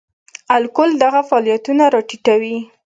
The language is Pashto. الکول دغه فعالیتونه را ټیټوي.